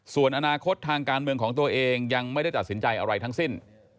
ส่วนอนาคตทางการเมืองของตัวเองยังไม่ได้ตัดสินใจอะไรทั้งสิ้น